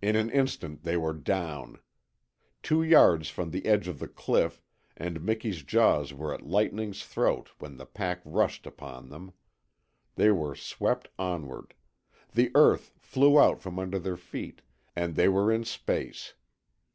In an instant they were down. Two yards from the edge of the cliff, and Miki's jaws were at Lightning's throat when the pack rushed upon them. They were swept onward. The earth flew out from under their feet, and they were in space.